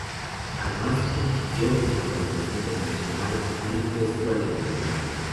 Además, compitió en el Fantasia Internacional Film Festival, en Canadá.